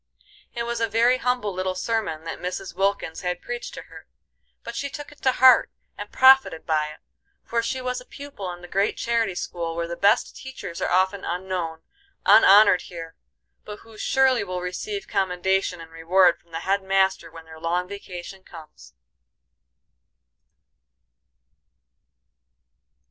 It was a very humble little sermon that Mrs. Wilkins had preached to her, but she took it to heart and profited by it; for she was a pupil in the great charity school where the best teachers are often unknown, unhonored here, but who surely will receive commendation and reward from the head master when their long vacation comes.